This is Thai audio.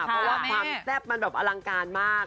เพราะว่าความแซ่บมันแบบอลังการมาก